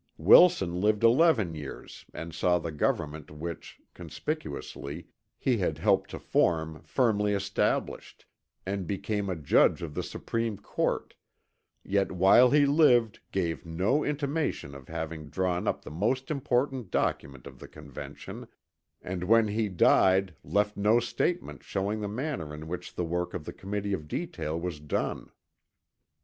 Wilson lived eleven years and saw the government which, conspicuously, he had helped to form firmly established, and became a judge of the Supreme Court, yet while he lived gave no intimation of having drawn up the most important document of the Convention, and when he died left no statement showing the manner in which the work of the Committee of Detail was done.